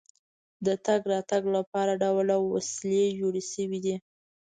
د تګ راتګ لپاره ډول ډول وسیلې جوړې شوې دي.